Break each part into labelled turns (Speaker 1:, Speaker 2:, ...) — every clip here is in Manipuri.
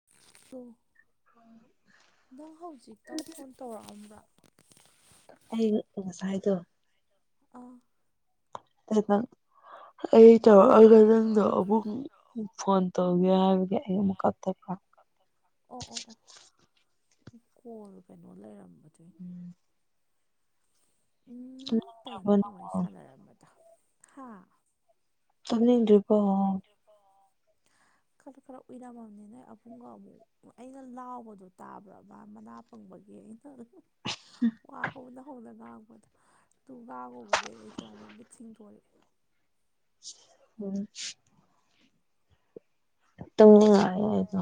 Speaker 1: [unintelligible]
Speaker 2: [unintelligible]
Speaker 1: ꯅꯪ ꯍꯧꯖꯤꯛꯇꯪ ꯐꯣꯟ ꯇꯧꯔꯛꯑꯝꯕ꯭ꯔꯥ
Speaker 2: ꯑꯩ ꯉꯁꯥꯏꯗꯣ
Speaker 1: ꯑꯥ
Speaker 2: [inaudible]
Speaker 1: [inaudible]
Speaker 2: ꯑꯩ ꯇꯧꯔꯛꯑꯒ ꯅꯪꯗꯣ ꯑꯃꯨꯛ ꯐꯣꯟ ꯇꯧꯒꯦ ꯍꯥꯏꯕꯒꯤ ꯑꯩ ꯑꯃꯨꯛ ꯀꯛꯊꯠꯄ
Speaker 1: ꯑꯣ ꯑꯣ ꯑꯣ ꯀꯣꯜ ꯀꯩꯅꯣ ꯂꯩꯔꯝꯕꯗꯨꯏ ꯎꯝ ꯀꯩꯅꯣ ꯅꯪ ꯋꯥꯔꯤ ꯁꯥꯟꯅꯔꯝꯕꯗꯣ ꯍꯥ
Speaker 2: ꯇꯨꯝꯅꯤꯡꯗꯔꯤ
Speaker 1: ꯈꯔ ꯈꯔ ꯎꯏꯔꯝꯃꯕꯅꯦ ꯅꯣꯏ ꯑꯕꯨꯡꯒ ꯑꯃꯨꯛ ꯑꯩꯅ ꯂꯥꯎꯕꯗꯣ ꯇꯥꯕ꯭ꯔꯕ ꯃꯥ ꯄꯪꯕꯒꯤ ꯑꯩꯅ ꯋꯥ ꯍꯧꯅ ꯍꯧꯅ ꯉꯥꯡꯕꯗꯣ ꯇꯨ ꯉꯥꯡꯉꯨꯕꯗꯒꯤ ꯑꯩꯁꯦꯃꯨꯛ ꯃꯤꯠ ꯁꯤꯡ ꯇꯣꯔꯛꯑꯦ
Speaker 2: ꯎꯝ ꯇꯨꯝꯅꯤꯡꯉꯛꯑꯦ ꯑꯩꯗꯣ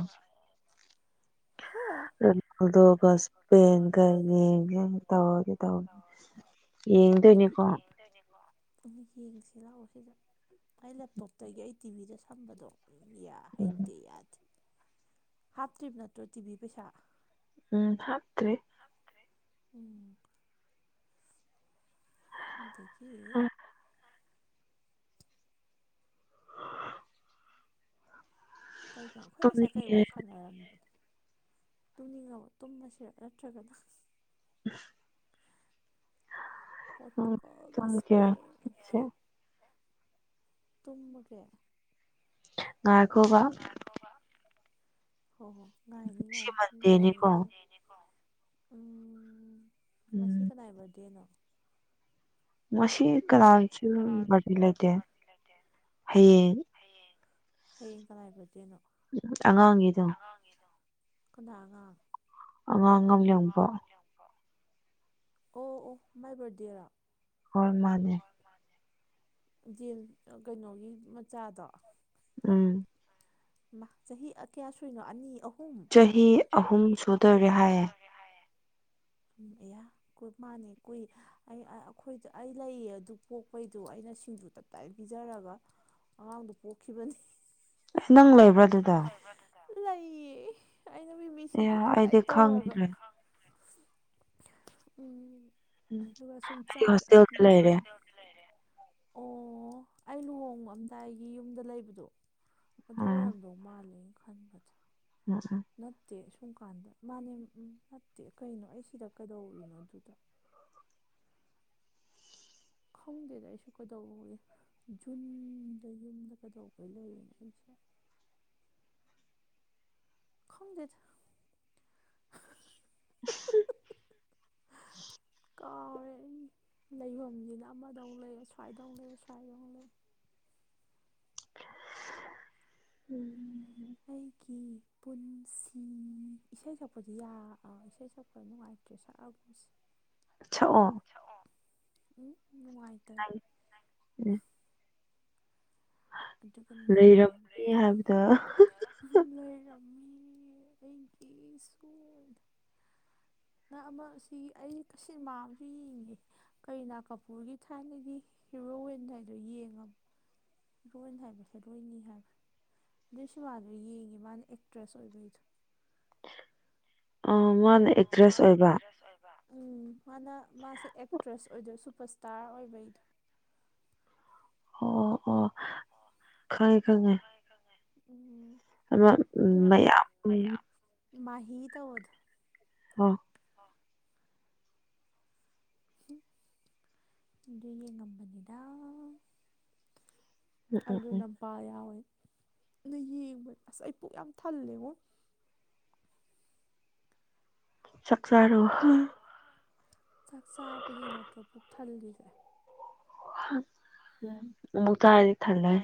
Speaker 1: ꯍꯥ
Speaker 2: ꯍꯧꯔꯦꯟ ꯍꯧꯗꯣꯛꯑꯒ ꯁꯄꯦꯟꯒ ꯌꯦꯡꯒꯦ ꯑꯃꯨꯛ ꯇꯧꯔꯒꯦ ꯇꯧꯅꯦ ꯌꯦꯡꯗꯣꯏꯅꯦꯀꯣ
Speaker 1: ꯗꯣꯏꯅꯤꯀꯣ ꯑꯃꯨꯛ ꯌꯦꯡꯁꯤ ꯂꯥꯛꯑꯣ ꯁꯤꯗ ꯑꯩ ꯂꯦꯞꯇꯣꯞꯇꯒꯤ ꯑꯩ ꯇꯤꯚꯤꯗ ꯁꯝꯕꯗꯣ ꯌꯥ
Speaker 2: ꯎꯝ
Speaker 1: ꯍꯩꯇꯦ ꯌꯥꯗꯦ ꯍꯥꯞꯇ꯭ꯔꯤꯕ ꯅꯠꯇ꯭ꯔꯣ ꯇꯤꯚꯤ ꯄꯩꯁꯥ
Speaker 2: ꯎꯝ ꯍꯥꯞꯇ꯭ꯔꯤ
Speaker 1: [unintelligible] ꯎꯝ ꯗꯩꯩꯒꯥ ꯀꯩꯅꯣ ꯑꯈꯣꯏ ꯉꯁꯥꯏ ꯀꯩ
Speaker 2: ꯇꯨꯝꯅꯤꯡꯉꯦ
Speaker 1: ꯋꯥꯔꯤ ꯁꯥꯟꯅꯔꯝꯒꯦ ꯇꯨꯝꯅꯤꯡꯉꯕ ꯇꯨꯝꯕꯁꯤꯔ ꯅꯠꯇ꯭ꯔꯒꯅ
Speaker 2: [inaudible] ꯎꯝ
Speaker 1: ꯄꯣꯇꯨꯒꯜꯒ
Speaker 2: ꯇꯨꯝꯒꯦꯔ
Speaker 1: ꯁ꯭ꯄꯦꯟ
Speaker 2: ꯁꯦ
Speaker 1: ꯇꯃꯒꯦ
Speaker 2: ꯉꯥꯈꯣꯕ
Speaker 1: ꯉꯥꯏꯈꯣꯕ ꯍꯣ ꯍꯣ ꯉꯥꯏꯒꯦ
Speaker 2: ꯉꯁꯤ
Speaker 1: ꯉꯥꯏꯒꯦ ꯉꯥꯏ ꯉꯁꯤ
Speaker 2: ꯃꯟꯗꯦꯅꯤꯀꯣ
Speaker 1: ꯃꯟꯗꯦꯅꯤꯀꯣ ꯎꯝ ꯉꯁꯤ
Speaker 2: ꯎꯝ
Speaker 1: ꯀꯅꯥꯏ ꯕꯗꯦꯅꯣ
Speaker 2: ꯉꯁꯤ ꯀꯅꯥꯒꯤꯁꯨ ꯕꯔꯗꯦ ꯂꯩꯇꯦ ꯍꯌꯦꯡ
Speaker 1: ꯍꯌꯦꯡ ꯍꯌꯦꯡ ꯀꯅꯥꯏ ꯕꯗꯗꯦꯅꯣ
Speaker 2: ꯑꯉꯥꯡꯒꯤꯗꯣ
Speaker 1: ꯑꯉꯥꯡꯒꯤꯅꯣ ꯀꯅꯥ ꯑꯉꯥꯡ
Speaker 2: ꯑꯉꯥꯡ ꯑꯃ [unintelligible]
Speaker 1: ꯑꯣ ꯑꯣ ꯃꯥꯏ ꯕꯔꯗꯦꯔꯣ
Speaker 2: ꯍꯣꯏ ꯃꯥꯅꯦ
Speaker 1: ꯗꯤꯜ ꯀꯩꯅꯣꯒꯤ ꯃꯆꯥꯗꯣ
Speaker 2: ꯎꯝ
Speaker 1: ꯃꯥ ꯆꯍꯤ ꯀꯌꯥ ꯁꯨꯏꯅꯣ ꯑꯅꯤ ꯑꯍꯨꯝ
Speaker 2: ꯆꯍꯤ ꯑꯍꯨꯝ ꯁꯨꯗꯣꯔꯦ ꯍꯥꯏꯌꯦ
Speaker 1: ꯍꯥꯏꯌꯦ ꯎꯝ ꯑꯌꯥ ꯃꯥꯅꯦ ꯀꯣꯏ ꯑꯩ ꯑꯩꯈꯣꯏꯖ ꯑꯩ ꯂꯩꯌꯦ ꯑꯗꯨ ꯄꯣꯛꯄꯩꯗꯣ ꯑꯩꯅ ꯁꯤꯡꯖꯨ ꯇꯞꯇꯥꯥꯏ ꯄꯤꯖꯔꯒ ꯑꯉꯥꯡꯗꯨ ꯄꯣꯛꯈꯤꯕꯅꯦ
Speaker 2: ꯅꯪ ꯂꯩ
Speaker 1: ꯅꯪ ꯂꯩꯕ꯭ꯔꯥ ꯑꯗꯨꯗ ꯂꯩꯌꯦ ꯑꯩꯅ ꯃꯤꯃꯤ
Speaker 2: ꯑꯦ
Speaker 1: ꯁꯤꯡꯖꯨ ꯇꯞꯇꯥꯏ
Speaker 2: ꯑꯩꯗꯤ
Speaker 1: ꯇꯧꯔꯒ
Speaker 2: ꯈꯪꯗ꯭ꯔꯦ
Speaker 1: ꯎꯝ
Speaker 2: ꯎꯝ
Speaker 1: ꯑꯗꯨꯒ ꯁꯨꯝ
Speaker 2: ꯑꯩ
Speaker 1: ꯆꯥꯛ
Speaker 2: ꯍꯣꯁꯇꯦꯜꯗ ꯂꯩꯔꯦ
Speaker 1: [inaudible] ꯑꯣ ꯑꯩ ꯂꯨꯍꯣꯡꯕ ꯑꯝꯗꯥꯏꯒꯤ ꯌꯨꯝꯗ ꯂꯩꯕꯗꯣ ꯗꯨ
Speaker 2: ꯎꯝ
Speaker 1: ꯑꯣꯏꯔꯝꯗꯧ ꯃꯥꯜꯂꯦ ꯑꯩ ꯈꯟꯕꯗ
Speaker 2: [inaudible]
Speaker 1: ꯅꯠꯇꯦ ꯁꯨꯝ ꯀꯥꯟꯗ ꯃꯥꯅꯦ ꯅꯠꯇꯦ ꯀꯩꯅꯣ ꯑꯩ ꯁꯤꯗ ꯀꯩꯗꯧꯔꯨꯏꯅꯣ ꯑꯗꯨꯗ ꯈꯪꯗꯦꯗ ꯑꯩꯁꯨ ꯀꯩꯗꯧꯏ ꯖꯨꯟꯗ ꯌꯨꯝꯗ ꯀꯩꯗꯧꯕꯩ ꯂꯩꯔꯤꯅꯣ ꯑꯩꯁꯦ ꯈꯪꯗꯦꯗ
Speaker 2: [inaudible]
Speaker 1: ꯀꯥꯎꯔꯦ ꯑꯩ ꯂꯩꯕꯝꯖꯤꯅ ꯑꯃꯗ ꯃꯨꯛ ꯂꯩ ꯑꯁ꯭ꯋꯥꯏꯗ ꯑꯃꯨꯛ ꯂꯩ ꯑꯁ꯭ꯋꯥꯏꯗ ꯑꯃꯨꯛ ꯂꯩ
Speaker 2: [inaudible]
Speaker 1: ꯑꯩꯒꯤ ꯄꯨꯟꯁꯤ ꯏꯁꯩ ꯁꯛꯄꯗꯤ ꯌꯥ ꯏꯁꯩ ꯁꯛꯄ ꯅꯨꯡꯉꯥꯏꯇ꯭ꯔꯦ ꯁꯛꯑꯒꯨꯝꯁꯤ [inaudible]
Speaker 2: ꯁꯛꯑꫭ
Speaker 1: ꯁꯛꯑꯣ ꯎꯝ ꯅꯨꯡꯉꯥꯥꯏꯇ‌‌ꯦ
Speaker 2: [inaudible] ꯂꯩꯔꯝꯃꯤ ꯍꯥꯏꯕꯗ
Speaker 1: ꯑꯗꯨꯒꯅ‌ꯦ ꯂꯩꯏꯔꯝꯃꯤ ꯑꯩꯒꯤꯁꯨ ꯅꯪ ꯑꯃ ꯁꯤ ꯑꯩ ꯁꯤꯃꯥ ꯑꯃꯖꯨ ꯌꯦꯡꯉꯤꯌꯦ ꯀꯔꯤꯅꯥ ꯀꯥꯄꯨꯔꯒꯤ ꯊꯥꯏꯅꯒꯤ ꯍꯦꯔꯣꯋꯤꯟ ꯍꯥꯏꯗꯣ ꯌꯦꯡꯉꯕ ꯔꯣꯏꯟ ꯍꯥꯏꯕ ꯔꯣꯏꯅꯤ ꯍꯥꯏꯕ꯫ ꯑꯗꯨꯏ ꯁꯤꯃꯥꯗꫭ ꯌꯦꯡꯉꯦ ꯃꯥꯅ ꯑꯦꯛꯇ꯭ꯔꯦꯁ ꯑꯣꯏꯕꯩꯗꯣ꯫
Speaker 2: ꯑꫭ ꯃꯥꯅ ꯑꯦꯛꯇ꯭ꯔꯦꯁ ꯑꯣꯏꯕ꯫
Speaker 1: [inaudible] ꯎꯝ ꯃꯥꯅ ꯃꯥꯁꯦ ꯑꯦꯛꯇ꯭ꯔꯦꯁ ꯑꯣꯏꯗꯣꯏ ꯁꯨꯄꯔꯁ꯭ꯇꯥꯔ ꯑꯣꯏꯕꯩꯗꯣ꯫
Speaker 2: ꯑꯣ ꯑꯣ ꯈꯪꯉꯦ ꯈꯪꯉꯦ꯫
Speaker 1: ꯎꯝ꯫
Speaker 2: ꯑꯃ
Speaker 1: ꯑꯗꯨ
Speaker 2: ꯃꯌꯥꯝ
Speaker 1: ꯃꯥꯍꯤ ꯇꯧꯕꯗꫭ꯫
Speaker 2: ꯑꯣ꯫
Speaker 1: ꯑꯗꯨ ꯌꯦꯡ ꯉꯝꯕꯅꯤꯗꯥ꯫
Speaker 2: ꯎꯝ ꯎꯝ
Speaker 1: ꯑꯗꯨ ꯅꯄꯥ ꯌꯥꯎꯋꯦ ꯅ ꯌꯦꯡꯕꯅꯦ ꯑꯁ ꯑꯩ ꯄꯨꯛ ꯌꯥꯝ ꯊꯜꯂꯦꯉꯣ꯫
Speaker 2: ꯆꯛꯆꯥꯥꯔꯣ꯫
Speaker 1: ꯆꯥꯛ ꯆꯥꯕꯒꯤ ꯅꯠꯇ꯭ꯔꫭ ꯄꯨꯛ ꯊꯜꯂꯤꯁꯦ꯫
Speaker 2: ꯃꯨꯇꯥ ꯍꯥꯏꯗꯤ ꯊꯥꯟꯂ‌ꯦ꯫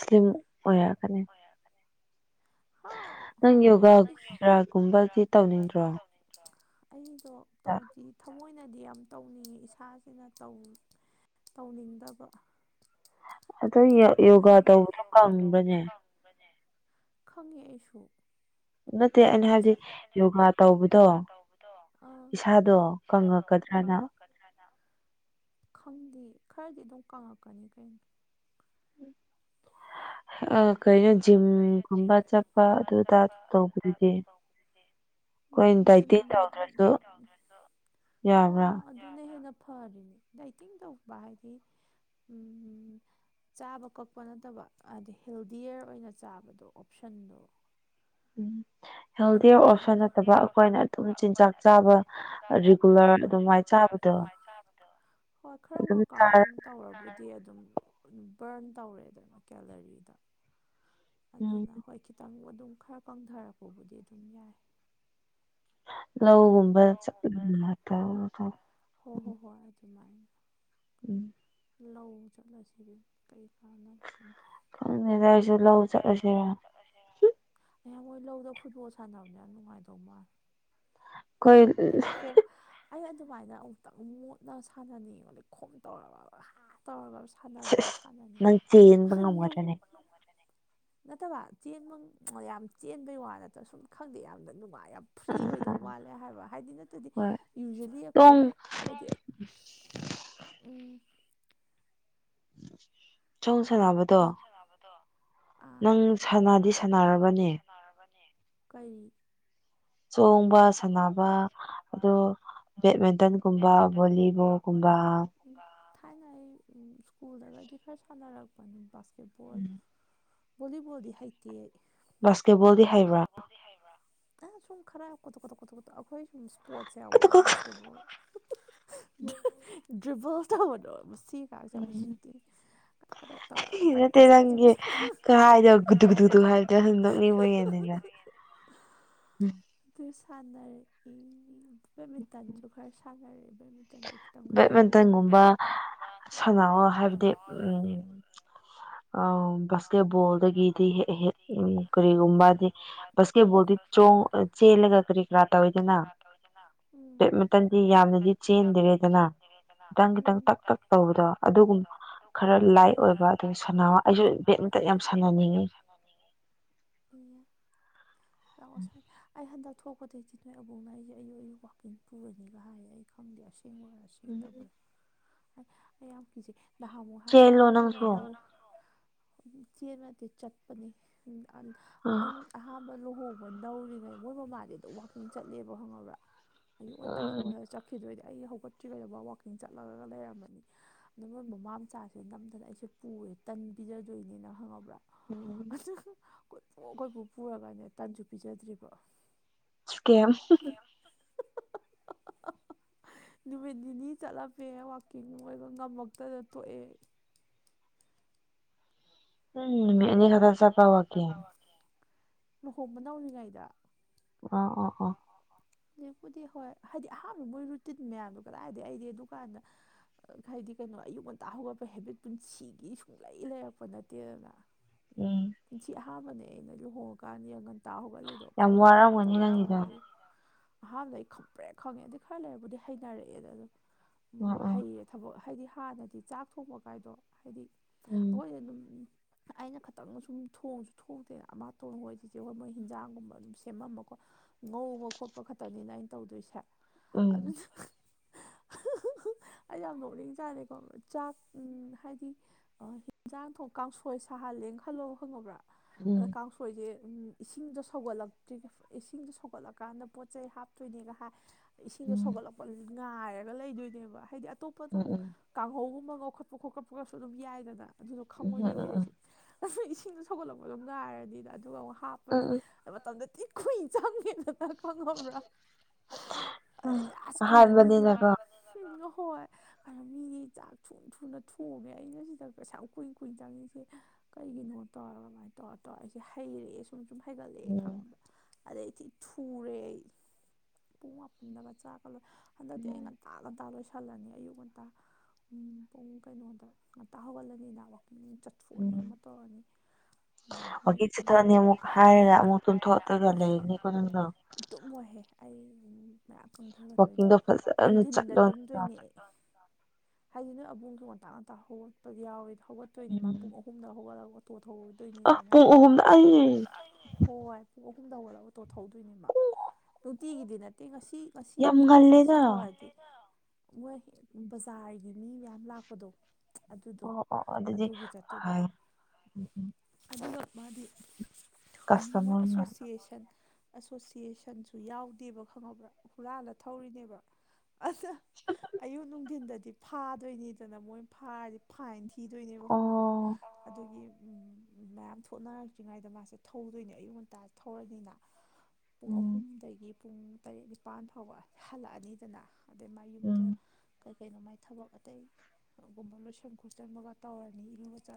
Speaker 2: ꯁ꯭ꯂꯤꯝ ꯑꯣꯏꯔꯛꯀꯅꯤ꯫
Speaker 1: ꯍꯥ꯫
Speaker 2: ꯅꯪ ꯌꯣꯒꯥ ꯀꯔꯤ ꯀꯔꯥꯒꯨꯝꯕꯗꯤ ꯇꯧꯅꯤꯡꯗ꯭ꯔꯣ꯫
Speaker 1: ꯑꯩꯗꯣ ꯇꯧꯗꯤ ꯊꯃꯣꯏ ꯅꯗꯤ ꯌꯥꯝ ꯇꯧꯅꯤꯡꯏꯤ ꯏꯁꯥꯁꯤꯅ ꯇꯧ ꯇꯧꯅꯤꯡꯗꯕ꯫
Speaker 2: ꯑꯗꯣ ꯌꫭ ꯌꯣꯒꯥ ꯇꯧꯕꯗꯣ ꯀꯪꯕꯅꯦ꯫
Speaker 1: ꯈꯪꯉꯦ ꯑꯩꯁꯨ꯫
Speaker 2: ꯅꯠꯇꯦ ꯑꯩꯅ ꯍꯥꯏꯕꯗꯤ ꯌꯣꯒꯥ ꯇꯧꯕꯗꯣ
Speaker 1: ꯑꯥ꯫
Speaker 2: ꯏꯁꯥꯗꯣ ꯀꯪꯉꯛꯀꯗ꯭ꯔꯅ
Speaker 1: ꯈꯪꯗꯦ ꯈꯔꯗꯤ ꯑꯗꯨꯝ ꯀꯪꯉꯛꯀꯅꯤ ꯀꯩꯅꯣ꯫
Speaker 2: ꯑ ꯀꯩꯅꯣ ꯖꯤꯝꯒꯨꯝꯕ ꯆꯠꯄ ꯑꯗꯨꯗꯥ ꯇꯧꯕꯗꯨꯗꯤ꯫
Speaker 1: ꯑꯝ
Speaker 2: ꯑꯩꯈꯣꯏꯅ
Speaker 1: ꯖꯤꯝ
Speaker 2: ꯗꯥꯏꯇꯤꯡ
Speaker 1: ꯑꫭ
Speaker 2: ꯇꯧꯗ꯭ꯔꯁꯨ ꯌꯥꯕ꯭ꯔꯥ
Speaker 1: ꯑꯗꯨꯅ ꯍꯦꯟꯅ ꯐꯔꯤꯅꯦ ꯗꯥꯏꯇꯤꯡ ꯇꯧꯕ ꯍꯥꯏꯗꯤ ꯎꯝ ꯎꯝ ꯆꯥꯕ ꯀꯛꯄ ꯅꯠꯇꯕ ꯑꯗꯤ ꯍꯦꯜꯗꯤꯌꯔ ꯑꯣꯏꯅ ꯆꯥꯕꯗꯣ ꯑꯣꯞꯁꯟꯗꯣ꯫
Speaker 2: ꯎꯝ꯫
Speaker 1: ꯑꯗꯨ
Speaker 2: ꯍꯦꯜꯗꯤꯌꯔ ꯑꯣꯞꯁꯟ
Speaker 1: ꯑꯗꯨ
Speaker 2: ꯅꯠꯇꯕ ꯑꯩꯈꯣꯏꯅ ꯑꯗꯨꯝ ꯆꯤꯟꯖꯥꯛ ꯆꯥꯕ ꯔꯤꯒꯨꯂꯔ ꯑꯗꯨꯃꯥꯏꯅ ꯆꯥꯕꯗꯣ꯫
Speaker 1: ꯍꯣꯏ ꯈꯔ
Speaker 2: ꯑꯗꯨꯝ ꯆꯥꯔ
Speaker 1: ꯋꯀꯥꯎꯒꯗꯝꯅꯤ꯫ ꯇꯧꯔꯕꯨꯗꯤ ꯑꯗꯨꯝ ꯕꯔꯟ ꯇꯧꯔꯦꯗꯅ ꯀꯦꯂꯣꯔꯤꯗꫭ꯫
Speaker 2: ꯎꯝ
Speaker 1: ꯑꯗꯨꯅ ꯍꯣꯏ ꯈꯤꯇꯪ ꯑꯗꯨꯝ ꯈꯔ ꯀꯪꯊꯔꯛꯄꯕꯨꯗꯤ ꯑꯗꯨꯝ ꯌꯥꯏ꯫
Speaker 2: ꯂꯧꯒꯨꯝꯕ ꯆꯠꯄꯗꯨꯅ ꯇꯧꯔꯗꫭ꯫
Speaker 1: ꯍꯣ ꯍꯣ ꯍꯣ ꯑꯗꯨꯃꯥꯏꯅ꯫
Speaker 2: ꯎꯝ꯫
Speaker 1: ꯂꯧ ꯆꯠꯂꯁꯤ ꯀꯔꯤ ꯀꯥꯟꯅꯕ ꯐꯪ
Speaker 2: ꯈꯪꯗ‌ꯦꯗ ꯑꯩꯁꯨ ꯂꯧ ꯆꯠꯂꯁꯤꯔꯥ꯫
Speaker 1: ꯑꯩꯌꯥ ꯃꫭꯏ ꯂꯧꯗ ꯐꯨꯠꯕꯣꯜ ꯁꯥꯟꯅꯕꯅꯦ ꯌꯥꯝ ꯅꯨꯡꯉꯥꯏꯗꯧ ꯃꯥꯜ
Speaker 2: ꯑꯩꯈꯣꯏ
Speaker 1: ꯂꯩꯈꯦꯝ ꯑꯩ ꯑꯗꯨꯃꯥꯏꯅ ꯑꯃꯨꯛꯇꯪ ꯃꯣꯠꯅ ꯁꯥꯟꯅꯅꯤꯡꯉꯦ ꯂꯩꯈꯣꯝ ꯇꯧꯔꯒ ꯍꯥ ꯇꯧꯔꯒ ꯁꯥꯟꯅꯕꯗꯣ
Speaker 2: ꯁꯤꯁ ꯅꯪ
Speaker 1: ꯁꯥꯟꯅꯅꯤꯡꯉꯤ
Speaker 2: ꯆꯦꯟꯕ
Speaker 1: ꯅꯨꯡ
Speaker 2: ꯉꯝꯒꯗ꯭ꯔꯅꯦ
Speaker 1: ꯅꯠꯇꯕ ꯆꯦꯟꯕ ꯌꯥꯝ ꯆꯦꯟꯕꯩ ꯋꯥ ꯅꯠꯇ꯭ꯔꯒ ꯁꯨꯝ ꯈꯪꯗꯦ ꯌꯥꯝꯅ ꯅꯨꯡꯉꯥꯏ ꯌꯥꯝ ꯐ꯭ꯔꯤ
Speaker 2: ꯑꯥ
Speaker 1: ꯑꯣꯏꯗꯧ ꯋꯥꯠꯂꯦ ꯍꯥꯏꯕ ꯍꯥꯏꯕꯗꯤ ꯅꯠꯇꯗꯤ
Speaker 2: ꯍꯣꯏ
Speaker 1: ꯌꯨꯖ꯭ꯋꯦꯜꯂꯤ ꯑꯩꯈꯣꯏ
Speaker 2: ꯆꯣꯡ
Speaker 1: ꯑꯣꯄꯗꯤ [unintelligible] ꯑꯗꯨ ꯎꯝ
Speaker 2: ꯆꯣꯡꯁꯅꯥꯕ
Speaker 1: ꯁꯅꯕꯗꯣ
Speaker 2: ꯁꯥꯟꯅꯗꯤ
Speaker 1: ꯅꯪ ꯁꯅꯗꯤ
Speaker 2: ꯁꯥꯟꯅꯔꯕꯅꯦ
Speaker 1: ꯁꯥꯟꯅꯔꯕꯅꯦ ꯀꯔꯤ
Speaker 2: ꯆꯣꯡꯕ ꯁꯥꯟꯅꯕ ꯑꯗꯣ ꯕꯦꯠꯃꯤꯟꯇꯟꯒꯨꯝꯕ ꯚꯣꯂꯤꯕꯣꯜꯒꯨꯝꯕ
Speaker 1: ꯊꯥꯏꯅ ꯑꯩ ꯁ꯭ꯀꯨꯜꯗꯒꯗꯤ ꯈꯔ ꯁꯥꯟꯅꯔꯛꯄꯅꯤ ꯕꯥꯁ ꯀꯦꯠꯕꯣꯜ ꯕꯣꯂꯤꯕꯣꯜꯗꯤ ꯍꯩꯇꯦ ꯑꯩ
Speaker 2: ꯕꯥꯁꯀꯦꯠꯕꯣꯜꯗꯤ ꯍꯩꯕ꯭ꯔꯥ
Speaker 1: ꯁꯨꯝ ꯈꯔ ꯀꯣꯗꯣꯛ ꯀꯣꯗꯣꯛ ꯀꯣꯗꯣꯛ ꯀꯣꯗꯣꯛ ꯑꯩꯈꯣꯏ ꯁꯨꯝ ꯄꯣꯠꯁꯦ ꯌꯥꯎꯕꯗꯣ ꯕꯥꯁꯀꯦꯠꯕꯣꯜ ꯗ꯭ꯔꯤꯕꯜꯁ ꯇꯧꯕꯗꯣ ꯃꯁꯤ ꯀꯥꯁꯦ ꯌꯥꯝ ꯎꯁꯤꯠꯇꯦ ꯀꯣꯗꯣꯛ ꯀꯣꯗꯣꯛ ꯀꯣꯗꯣꯛ ꯇꯧꯔꯥ
Speaker 2: ꯅꯠꯇꯦ
Speaker 1: ꯄ꯭ꯔꯦꯛꯇꯤꯁ ꯀꯁꯦ
Speaker 2: ꯅꯪꯒꯤ ꯀꯔꯥꯏꯗ ꯒꯨꯗꯨ ꯒꯨꯗꯨ ꯍꯥꯏꯕꯗꯨ ꯅꯣꯛꯅꯤꯡꯕꯒꯤꯅꯤꯗ
Speaker 1: ꯑꯗꯨ ꯁꯥꯟꯅꯔꯛꯏ ꯕꯦꯠꯃꯤꯟꯇꯟꯁꯨ ꯈꯔ ꯁꯥꯟꯅꯔꯛꯏ ꯑꯩꯁꯨ ꯈꯤꯇꯪ ꯍꯩꯕ ꯑꯣꯏꯕꯩ
Speaker 2: ꯕꯦꯠꯃꯤꯟꯇꯟꯒꯨꯝꯕ
Speaker 1: ꯕꯦꯠꯃꯤꯟꯇꯅꯒꯨꯝꯕ ꯁꯥꯅꯧ ꯍꯥꯏꯕꯗꯤ
Speaker 2: ꯑꯧ ꯕꯥꯁꯀꯦꯠꯕꯣꯜꯗꯒꯤꯗꯤ ꯍꯦꯟ ꯀꯔꯤꯒꯨꯝꯕꯗꯤ ꯕꯥꯁꯀꯦꯠꯕꯣꯜꯗꯤ ꯆꯣꯡ
Speaker 1: ꯆꯣꯡ
Speaker 2: ꯆꯦꯜꯂꯒ ꯀꯔꯤ ꯀꯔꯥ
Speaker 1: ꯆꯦꯜꯂꯒ ꯀꯔꯤ
Speaker 2: ꯇꯧꯋꯤꯗꯅ
Speaker 1: ꯀꯔꯥ ꯇꯧꯏꯗꯅ ꯎꯝ
Speaker 2: ꯕꯦꯠꯃꯤꯟꯇꯟꯗꯤ ꯌꯥꯝꯅꯗꯤ ꯆꯦꯟꯗꯔꯦꯗꯅ ꯈꯤꯇꯪ ꯈꯤꯇꯪ
Speaker 1: ꯎꯝ
Speaker 2: ꯇꯛ ꯇꯛ ꯇꯧꯕꯗꯣ ꯑꯗꯨꯒꯨꯝ ꯈꯔ ꯂꯥꯏꯠ ꯑꯣꯏꯕ ꯑꯗꯨ ꯁꯥꯟꯅꯕ ꯑꯩꯁꯨ ꯕꯦꯠꯃꯤꯇꯟ ꯌꯥꯝ ꯁꯥꯟꯅꯅꯤꯡꯉꯤ
Speaker 1: ꯎꯝ ꯂꯥꯛꯑꯣ ꯁꯟꯅ ꯑꯩ ꯍꯟꯗꯛ ꯊꯣꯛꯄꯗꯩꯩꯗꯤ ꯅꯣꯏ ꯑꯕꯣꯛꯅ ꯑꯩꯁꯦ ꯑꯌꯨꯛ ꯑꯌꯨꯛꯋꯀꯤꯡ ꯄꯨꯔꯅꯤꯒ ꯍꯥꯏꯌꯦ ꯑꯩ ꯈꯪꯗꯦ ꯑꯁꯦꯡꯕ ꯑꯣꯏꯔ ꯁꯦꯡꯗꯕ꯭ꯔꯥ ꯑꯩ ꯑꯩ ꯌꯥꯝ ꯀꯤꯍꯩ ꯅꯍꯥꯟꯃꯨꯛ ꯑꯩ
Speaker 2: ꯆꯦꯜꯂꯣ ꯅꯪꯁꯨ
Speaker 1: ꯂꯨꯍꯣꯡꯕ ꯆꯦꯟꯕ ꯅꯠꯇꯦ ꯆꯠꯄꯅꯤ
Speaker 2: ꯑ
Speaker 1: ꯑꯍꯥꯟꯕ ꯂꯨꯍꯣꯡꯕ ꯅꯧꯔꯤꯉꯩ ꯃꯣꯏ ꯃꯃꯥꯗꯤ ꯑꯗꯨꯝ ꯋꯥꯛꯀꯤꯡ ꯆꯠꯂꯦꯕ ꯈꯪꯉꯕ꯭ꯔꯥ ꯑꯌꯨꯛ ꯉꯟꯇꯥ ꯍꯧꯒꯠꯂ ꯆꯠꯈꯤꯗꯣꯏꯅꯤ ꯑꯩ ꯍꯧꯒꯠꯇ꯭ꯔꯤꯉꯩꯗ ꯃꯥ ꯋꯥꯛꯀꯤꯡ ꯆꯠꯂꯒ ꯂꯩꯔꯝꯃꯅꯤ ꯑꯗꯣ ꯃꯣꯏ ꯃꯃꯥ ꯃꯆꯥꯁꯤꯅ ꯅꯝꯗꯅ ꯑꯩꯁꯦ ꯄꯨꯔꯦ ꯇꯟ ꯄꯤꯖꯗꯣꯏꯅꯦꯅ ꯈꯪꯉꯕ꯭ꯔꯥ
Speaker 2: ꯎꯝ
Speaker 1: ꯀꯣꯏꯄꯨ ꯀꯣꯢꯄꯨ ꯄꯨꯔꯒꯅꯦ ꯇꯟꯁꯨ ꯄꯤꯖꯗ꯭ꯔꯤꯕ
Speaker 2: ꯀꯦꯝ
Speaker 1: [unintelligible] ꯅꯨꯃꯤꯠ ꯅꯤꯅꯤ ꯆꯠꯂꯝꯃꯦ ꯋꯥꯛꯀꯤꯡ ꯃꯣꯏꯗꯣ ꯉꯝꯃꯛꯇꯗ ꯇꯣꯛꯑꯦ
Speaker 2: ꯎꯝ ꯅꯨꯃꯤꯠ ꯑꯅꯤ ꯈꯛ
Speaker 1: ꯂꯨꯍꯣꯡꯕ ꯅꯧꯔꯤꯉꯩꯗ ꯑꯣ ꯑꯣ ꯑꯣ ꯍꯧꯄꯨꯗꯤ ꯍꯣꯏ ꯍꯥꯏꯗꯤ ꯑꯍꯥꯟꯕ ꯃꯣꯏ ꯔꯨꯇꯤꯟ ꯃꯌꯥꯝꯗꯣ ꯀꯗꯥꯏꯗꯒꯤ ꯑꯩꯗꯤ ꯑꯗꯨꯀꯥꯟꯗ ꯍꯥꯏꯗꯤ ꯀꯩꯅꯣ ꯑꯌꯨꯛ ꯉꯟꯇꯥ ꯍꯧꯒꯠꯄ ꯍꯦꯕꯤꯠ ꯄꯨꯟꯁꯤꯒꯤ ꯁꯨꯡꯂꯩ ꯂꯩꯔꯛꯄ ꯅꯠꯇꯦꯗꯅ
Speaker 2: ꯎꯝ
Speaker 1: ꯄꯨꯟꯁꯤ ꯑꯍꯥꯥꯟꯕꯅꯦ ꯑꯩꯅ ꯂꯨꯍꯣꯡꯉꯀꯥꯟꯗ ꯉꯟꯇꯥ ꯍꯧꯒꯠꯂꯤꯗꯣ
Speaker 2: ꯌꯥꯝ
Speaker 1: ꯄꯨꯡ ꯃꯉꯥ
Speaker 2: ꯋꯥꯔꯝꯒꯅꯤ
Speaker 1: ꯇꯔꯨꯛꯇ
Speaker 2: ꯅꯪꯒꯤꯗꯣ
Speaker 1: ꯍꯧꯒꯠꯂꯤ ꯑꯍꯥꯟꯕꯗ ꯑꯩ ꯈꯪꯕ꯭ꯔꯦꯛ ꯈꯪꯉꯦ ꯑꯗꯨ ꯈꯔ ꯂꯩꯔꯕꯨꯗꯤ ꯍꯩꯅꯔꯛꯑꯦꯗ ꯑꯗꯨꯝ ꯎꯝ ꯍꯩꯔꯦ ꯊꯕꯛ ꯍꯥꯏꯗꯤ ꯍꯥꯟꯅꯗꯤ ꯆꯥꯛ ꯊꯣꯡꯕ ꯀꯥꯏꯗꯣ ꯍꯥꯏꯗꯤ
Speaker 2: ꯎꯝ
Speaker 1: ꯑꯩꯈꯣꯏꯅ ꯑꯗꯨꯝ ꯑꯩꯅ ꯈꯤꯇꯪ ꯁꯨꯝ ꯊꯣꯡꯉꯁꯨ ꯊꯣꯡꯗꯦꯅ ꯑꯃꯇꯣꯟ ꯍꯣꯏ ꯆꯤꯆꯦ ꯍꯣꯏ ꯃꯣꯏ ꯍꯤꯟꯖꯥꯡꯒꯨꯝꯕ ꯑꯗꯨꯝ ꯁꯦꯝꯃꯝꯃꯀꯣ ꯉꯧꯕ ꯈꯣꯠꯄ ꯈꯛꯇꯅꯤꯅ ꯑꯩꯅ ꯇꯧꯗꯣꯏꯁꯦ
Speaker 2: ꯎꯝ
Speaker 1: ꯑꯗꯨꯅ ꯑꯩ ꯌꯥꯝ ꯅꯣꯛꯅꯤꯡ ꯖꯠꯅꯦꯀꯣ ꯆꯥꯛ ꯍꯥꯏꯗꯤ ꯑꯥ ꯍꯤꯟꯖꯥꯡ ꯊꯣꯡ ꯀꯥꯡꯁꯣꯏ ꯁꯥꯍꯜꯂꯦꯅ ꯈꯜꯂꯣ ꯈꯪꯉꯕ꯭ꯔꯥ ꯑꯗ
Speaker 2: ꯎꯝ
Speaker 1: ꯀꯥꯡꯁꯣꯏ ꯈꯣꯏꯗꯤ ꯎꯝ ꯏꯁꯤꯡꯗꯣ ꯁꯧꯒꯠꯂꯛꯇ꯭ꯔꯤ ꯏꯁꯤꯡꯗꯨ ꯁꯧꯒꯠꯂꯀꯥꯟꯗ ꯄꯣꯠ ꯆꯩ ꯍꯥꯞꯇꯣꯏꯅꯦꯒ ꯍꯥꯏ ꯏꯁꯤꯡꯗꯣ
Speaker 2: ꯎꯝ
Speaker 1: ꯁꯧꯒꯠꯂꯛꯄ ꯉꯥꯏꯔꯒ ꯂꯩꯗꯣꯏꯅꯦꯕ ꯍꯥꯏꯗꯤ ꯑꯇꯣꯞꯄꯗꯪ
Speaker 2: ꯎꯝ
Speaker 1: ꯀꯥꯡꯍꯧꯒꯨꯝꯕ ꯉꯧꯈꯠꯄ ꯈꯣꯠꯄꯒꯁꯨ ꯑꯗꯨꯝ ꯌꯥꯏꯗꯅ ꯑꯗꯨꯁꯨ
Speaker 2: ꯎꯝ ꯎꯝ ꯎꯝ
Speaker 1: ꯈꯪꯉꯣꯏꯗꯣꯏꯅꯦ
Speaker 2: ꯎꯝ ꯎꯝ
Speaker 1: ꯑꯩꯖꯦ ꯏꯁꯤꯡꯗꯣ ꯁꯧꯒꯠꯂꯛꯄꯗꯣ ꯉꯥꯏꯔꯅꯤꯅ ꯑꯗꯨꯒ ꯑꯃꯨꯛ ꯍꯥꯞꯄꯅꯤ
Speaker 2: ꯎꯝ
Speaker 1: ꯃꯇꯝꯗꯣ ꯊꯤ ꯀꯨꯏꯅ ꯆꯪꯉꯦꯗꯅ ꯈꯪꯉꯥꯕ꯭ꯔꯥ
Speaker 2: ꯎꯝ
Speaker 1: ꯑꯩ ꯑꯁ ꯀꯩꯅꯣ ꯃꯤꯗꯤ ꯌꯥꯝ
Speaker 2: ꯑꯍꯥꯟꯕꯅꯤꯅꯀꯣ
Speaker 1: ꯑꯍꯥꯟꯕꯅꯦꯕꯀꯣ ꯍꯣꯏ ꯑꯩꯅ ꯃꯤꯗꯤ ꯆꯥꯛ ꯊꯨꯊꯨꯅ ꯊꯣꯡꯉꯦ ꯑꯩꯅ ꯁꯤꯗ ꯑꯁꯌꯥꯝ ꯀꯨꯏ ꯀꯨꯏ ꯆꯪꯉꯤꯁꯦ ꯀꯩꯒꯤꯅꯣ ꯇꯧꯔ ꯑꯗꯨꯃꯥꯏ ꯇꯧꯔ ꯇꯧꯔ ꯑꯩꯖꯦ ꯍꯩꯔꯛꯑꯦ ꯁꯨꯝ ꯁꯨꯝ ꯍꯩꯒꯠꯂꯛꯑꯦ
Speaker 2: ꯎꯝ
Speaker 1: ꯈꯪꯉꯕ꯭ꯔꯥ ꯑꯗꯩꯗꯤ ꯊꯨꯔꯦ ꯑꯩ ꯄꯨꯡ ꯃꯥꯄꯟꯗꯒ ꯆꯥꯛꯀ ꯂꯣꯏ ꯍꯟꯗꯛꯇꯤ ꯑꯩ ꯉꯟ ꯉꯟꯇꯥ ꯉꯟꯇꯥ ꯂꯣꯏꯁꯤꯜꯂꯃꯤ ꯑꯌꯨꯛ ꯉꯟꯇꯥ ꯎꯝ ꯄꯨꯡ ꯀꯩꯅꯣꯗ ꯉꯟꯇꯥ ꯍꯧꯒꯠꯂꯅꯤꯅ ꯋꯥꯛꯀꯤꯡ ꯆꯠꯊꯣꯛꯑꯅꯤ ꯑꯃ ꯇꯧꯔꯅꯤ ꯑꯗꯒꯤ
Speaker 2: ꯋꯥꯛꯀꯤꯡ ꯆꯠꯊꯣꯛꯑꯅꯤ ꯑꯃꯨꯛ ꯍꯥꯏꯔꯒ ꯑꯃꯨꯛ ꯇꯨꯝꯊꯣꯛ ꯇꯥꯅ ꯂꯩꯅꯤꯀꯣ ꯅꯪꯁꯨ
Speaker 1: ꯇꯨꯝꯃꯣꯏꯍꯦ ꯑꯩ ꯃꯌꯥꯝ ꯀꯪꯊꯒꯗꯣꯏꯅꯦ
Speaker 2: ꯋꯥꯛꯀꯤꯡꯗꯣ ꯐꯖꯅ
Speaker 1: ꯅꯨꯡꯊꯤꯟꯗ
Speaker 2: ꯆꯠꯂꯣ ꯅꯪꯗꯣ
Speaker 1: ꯇꯨꯝꯗꯣꯏꯅꯦ ꯑꯩ ꯍꯥꯏꯗꯤ ꯅꯣꯏ ꯑꯕꯨꯡꯉꯣꯗꯣ ꯉꯟꯇ ꯉꯟꯇ ꯍꯧꯒꯠꯄꯗꯤ ꯌꯥꯎꯋꯦ ꯍꯧꯒꯠꯇꯣꯏꯅꯤ ꯃꯥ ꯄꯨꯡ ꯑꯍꯨꯝꯗ ꯍꯧꯒꯠꯂꯒ ꯑꯣꯇꯣ ꯊꯧꯕꯅꯦ
Speaker 2: ꯑꯥ ꯄꯨꯡ ꯑꯍꯨꯝꯗ ꯑꯩꯏ
Speaker 1: ꯍꯣꯏ ꯄꯨꯡ ꯑꯍꯨꯝꯗ ꯍꯧꯒꯠꯂ ꯑꯣꯇꯣ ꯊꯧꯗꯣꯏꯅꯦ ꯃꯥ ꯅꯨꯡꯇꯤꯒꯤꯗꯤ ꯅꯠꯇꯦ ꯉꯁꯤ ꯉꯁꯤ
Speaker 2: ꯌꯥꯝ
Speaker 1: ꯉꯁꯤ
Speaker 2: ꯉꯜꯂꯦꯗ
Speaker 1: ꯊꯧꯔꯗꯤ ꯌꯥꯝ ꯉꯟꯂꯦꯗ ꯃꯣꯏ ꯕꯖꯥꯔꯒꯤ ꯃꯤ ꯃꯌꯥꯝ ꯂꯥꯛꯄꯗꯣ ꯑꯗꯨꯗꯣ
Speaker 2: ꯑꯣ ꯑꯣ ꯑꯗꯨꯗꯤ
Speaker 1: ꯑꯗꯨꯒꯤ ꯆꯠꯇꯣꯏꯕ
Speaker 2: ꯐꯔꯦ ꯎꯝ
Speaker 1: ꯑꯗꯨꯒ ꯃꯥꯗꯤ ꯃꯣꯏ
Speaker 2: ꯀꯁꯇꯃꯔꯅꯦ
Speaker 1: ꯑꯦꯁꯣꯁꯤꯌꯦꯁꯟ ꯑꯦꯁꯣꯁꯤꯌꯦꯁꯟꯁꯨ ꯌꯥꯎꯗꯦꯕ ꯈꯪꯉꯕ꯭ꯔꯥ ꯍꯨꯔꯥꯜꯂ ꯊꯧꯔꯤꯅꯦꯕ ꯑꯁ ꯑꯌꯨꯛ ꯅꯨꯡꯊꯤꯟꯗꯗꯤ ꯐꯥꯗꯣꯏꯅꯤꯗꯅ ꯃꯣꯏ ꯐꯥꯔꯗꯤ ꯐꯥꯏꯟ ꯊꯤ ꯊꯤꯗꯣꯏꯅꯦꯕ ꯈꯪꯉꯕ꯭ꯔꯥ
Speaker 2: ꯑꯣ
Speaker 1: ꯑꯗꯨꯒꯤ ꯎꯝ ꯃꯌꯥꯝ ꯊꯣꯛꯅꯔꯛꯇ꯭ꯔꯤꯉꯩꯗ ꯃꯥꯁꯦ ꯊꯧꯗꯣꯏꯅꯦ ꯑꯌꯨꯛ ꯉꯟꯇꯥ ꯊꯧꯔꯅꯤꯅ ꯄꯨꯡ
Speaker 2: ꯎꯝ
Speaker 1: ꯑꯍꯨꯝꯗꯒꯤ ꯄꯨꯡ ꯇꯔꯦꯠ ꯅꯤꯄꯥꯥꯟ ꯐꯥꯎꯕ ꯍꯜꯂꯛꯑꯅꯤꯗꯅ ꯑꯗꯩ
Speaker 2: ꯎꯝ
Speaker 1: ꯃꯌꯨꯝꯗ ꯀꯔꯤ ꯀꯩꯅꯣꯃꯥꯏ ꯊꯕꯛ ꯑꯇꯩ ꯒꯨꯝꯕ ꯂꯣꯏꯁꯟ ꯈꯣꯠꯆꯟꯕꯒ ꯇꯧꯔꯅꯤ ꯏꯔꯨ ꯂꯨꯖꯥ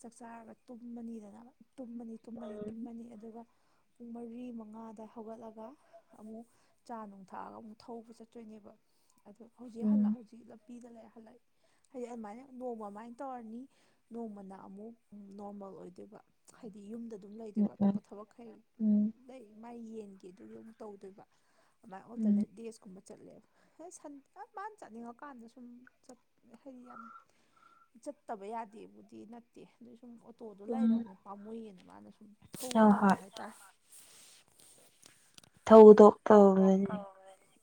Speaker 1: ꯆꯥꯛ ꯆꯥꯔꯒ ꯇꯨꯝꯃꯅꯤꯗꯅ ꯇꯨꯝꯃꯅꯤ ꯇꯨꯝꯃꯅꯤ ꯇꯨꯝꯃꯅꯤ ꯑꯗꯨꯒ ꯄꯨꯡ ꯃꯔꯤ ꯃꯉꯥꯑꯗꯥꯏ ꯍꯧꯒꯠꯂꯒ ꯑꯃꯨꯛ ꯆꯥ ꯅꯨꯡ ꯊꯛꯑꯒ ꯑꯃꯨꯛ ꯊꯧꯕ ꯆꯠꯇꯣꯏꯅꯦꯕ ꯑꯗꯣ ꯍꯧꯖꯤꯛ ꯍꯥꯟꯂ
Speaker 2: ꯎꯝ
Speaker 1: ꯍꯧꯖꯤꯛ ꯂꯝ ꯂꯝꯕꯤꯗ ꯂꯩ ꯍꯜꯂꯛꯏ ꯍꯥꯏꯗꯤ ꯑꯗꯨꯃꯥꯏꯅ ꯅꯣꯡꯃ ꯑꯃꯥꯏ ꯇꯧꯔꯅꯤ ꯅꯣꯡꯃꯅ ꯑꯃꯨꯛ ꯎꯝ ꯅꯣꯔꯃꯦꯜ ꯑꯣꯏꯗꯣꯏꯕ ꯍꯥꯏꯗꯤ ꯌꯨꯝꯗ ꯑꯗꯨꯝ
Speaker 2: ꯎꯝ
Speaker 1: ꯂꯩꯗꯣꯏꯕ
Speaker 2: ꯎꯝ
Speaker 1: ꯑꯇꯣꯞꯄ ꯊꯕꯛ ꯈꯩ ꯎꯝ ꯂꯩ ꯃꯥꯏ ꯌꯦꯟꯒꯦ ꯑꯗꯨꯒꯤ ꯑꯃꯨꯛ ꯇꯧꯗꯣꯏꯕ ꯑꯃꯥꯏ
Speaker 2: ꯎꯝ
Speaker 1: ꯑꯣꯜꯇꯔꯅꯦꯠ ꯗꯦꯖꯀꯨꯝꯕ ꯆꯠꯂꯦ [unintelligible] ꯃꯥꯅ ꯆꯠꯅꯤꯡꯉꯀꯥꯟꯗ ꯁꯨꯝ ꯆꯠ ꯍꯥꯏꯗꯤ ꯌꯥꯝ ꯆꯠꯇꯕ ꯌꯥꯗꯦꯕꯨꯗꯤ ꯅꯠ ꯇꯦ ꯑꯗꯨꯏ ꯁꯨꯝ ꯑꯣꯇꯣꯗꯣ
Speaker 2: ꯎꯝ
Speaker 1: ꯂꯩꯔꯕꯅꯦ ꯄꯥꯝꯃꯨꯌꯦꯅ ꯃꯥꯅ ꯁꯨꯝ ꯊꯧꯕ
Speaker 2: ꯍꯣꯏ
Speaker 1: ꯁꯥꯟꯅꯕ
Speaker 2: ꯍꯣꯏ
Speaker 1: ꯍꯥꯏꯇꯥꯔꯦ
Speaker 2: ꯊꯧꯗꯣꯛ
Speaker 1: ꯊꯧꯗꯣꯛ
Speaker 2: ꯇꯧꯕꯗꯅꯦ
Speaker 1: ꯀꯧꯕꯅꯦ ꯑꯗꯨꯗꯤ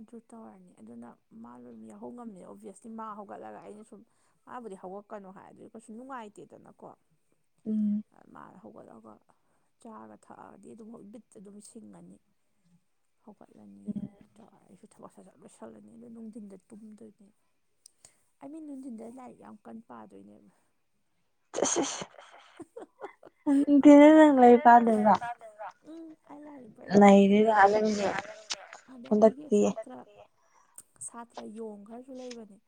Speaker 1: ꯑꯗꯨ ꯇꯧꯔꯅꯤ ꯑꯗꯨꯅ ꯃꯥꯗꯣꯗꯨꯝ ꯌꯥꯍꯧ ꯉꯝꯅꯤ ꯑꯣꯚꯌꯁꯂꯤ ꯃꯥ ꯍꯧꯒꯠꯂꯒ ꯑꯩꯅ ꯁꯨꯝ ꯃꯥꯕꯨꯗꯤ ꯍꯧꯒꯠꯀꯅꯨ ꯍꯥꯏ ꯑꯗꯨꯏꯁꯨ ꯀꯩꯁꯨ ꯅꯨꯡꯉꯥꯏꯇꯦꯗꯅꯀꯣ
Speaker 2: ꯎꯝ
Speaker 1: ꯃꯥꯅ ꯍꯧꯒꯠꯂꯒ ꯆꯥꯒ ꯊꯛꯑꯗꯤ ꯑꯗꯨꯝ ꯍꯣꯏ ꯃꯤꯠꯁꯦ ꯑꯗꯨꯝ ꯁꯤꯡꯉꯅꯤ ꯍꯧꯒꯠꯂꯅꯤ ꯑꯗꯨꯗꯒ ꯑꯩꯁꯨ ꯊꯕꯛ ꯁꯠꯖꯠ ꯂꯣꯏꯁꯜꯂꯅꯤ ꯑꯗꯨ ꯅꯨꯡꯊꯤꯟꯗ ꯇꯨꯝꯗꯣꯏꯅꯦ ꯑꯩ ꯑꯩ ꯃꯤ ꯅꯨꯡꯊꯤꯟꯗ ꯂꯥꯏꯔꯤꯛ ꯌꯥꯝ ꯀꯟ ꯄꯥꯗꯣꯏꯅꯦꯕ
Speaker 2: ꯑꯁꯑꯁ [unintelligible]
Speaker 1: ꯎꯝ ꯑꯩ ꯂꯥꯏꯔꯤꯛ ꯕ꯭ꯔꯦꯡ ꯕ꯭ꯔꯦꯡ ꯕ꯭ꯔꯦꯡ
Speaker 2: ꯅꯪꯗꯤ
Speaker 1: [unintelligible] ꯑꯗꯩ ꯑꯩꯒꯤ
Speaker 2: ꯍꯟꯗꯛꯇꯤ
Speaker 1: ꯁꯥꯇ꯭ꯔꯥ [unintelligible] ꯁꯥꯇ꯭ꯔ ꯌꯣꯡ ꯈ꯭ꯔꯁꯨ ꯂꯩꯕꯅꯦ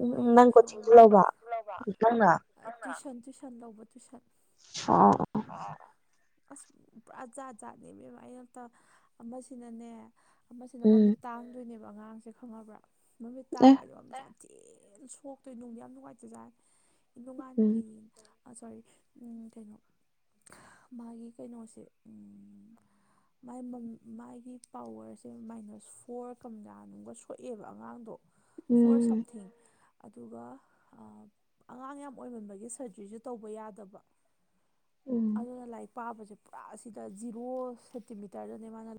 Speaker 2: ꯎꯝ ꯎꯝ ꯅꯪ
Speaker 1: ꯁꯨ
Speaker 2: ꯀꯣꯆꯤꯡꯁꯨ
Speaker 1: ꯑꯃꯨꯛ
Speaker 2: ꯂꯧꯕ
Speaker 1: [unintelligible]
Speaker 2: ꯅꯪꯅ
Speaker 1: ꯇꯨꯁꯟ ꯇꯨꯋꯏꯁꯟ ꯂꯧꯕ ꯇꯨꯁꯟ
Speaker 2: ꯑꯣ
Speaker 1: ꯍ [unintelligible] ꯑꯁ ꯄꯨꯔꯥ ꯖꯥꯠ ꯖꯥꯠꯅꯦꯃꯦꯢꯕꯦꯝꯃ ꯑꯌꯨꯛꯇ ꯑꯃꯁꯤꯅꯅꯦ ꯃꯁꯤꯅ
Speaker 2: ꯎꯝ
Speaker 1: ꯃꯃꯤꯠ ꯇꯥꯡꯗꯣꯏꯅꯦꯕ ꯑꯉꯥꯡꯁꯦ ꯈꯪꯉꯕ꯭ꯔꯥ ꯃꯃꯤꯠ ꯇꯥꯡꯕ
Speaker 2: ꯑꯦ
Speaker 1: ꯍꯥꯏꯗꯣ ꯑꯝꯇ ꯊꯤꯅ ꯁꯣꯛꯇꯣꯏꯕ ꯅꯨꯡꯗꯤ ꯌꯥꯝ ꯅꯨꯡꯉꯥꯏꯇ ꯖꯠꯅꯤ
Speaker 2: ꯎꯝ
Speaker 1: ꯅꯣꯡꯉꯥꯟꯕꯤ ꯁꯣꯔꯤ ꯑꯝ ꯀꯩꯅꯣ ꯃꯥꯒꯤ ꯀꯩꯅꯣꯁꯦ ꯑꯝ ꯥ ꯃꯥꯒꯤ ꯄꯋꯔꯁꯦ ꯃꯥꯏꯅꯁ ꯐꯣꯔ ꯀꯝꯂꯥ ꯅꯨꯡꯒ ꯁꯣꯛꯑꯦꯕ ꯑꯉꯥꯡꯗꯣ ꯐꯣꯔ
Speaker 2: ꯎꯝ
Speaker 1: ꯁꯝꯊꯤꯡ ꯑꯗꯨꯒ ꯑꯉꯥꯡ ꯌꯥꯝ ꯑꯣꯏꯃꯟꯕꯒꯤ ꯁꯔꯖꯔꯤꯁꯨ ꯇꯧꯕ ꯌꯥꯗꯕ
Speaker 2: ꯎꯝ
Speaker 1: ꯑꯗꯨꯅ ꯂꯥꯏ ꯄꯥꯕꯁꯦ ꯄꯨꯔꯥ ꯁꯤꯗ ꯖꯤꯔꯣ ꯁꯦꯟꯇꯤꯃꯤꯇꯔꯗꯅꯦ ꯃꯥꯅ